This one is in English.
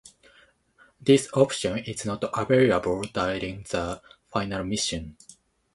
This option is not available during the final mission.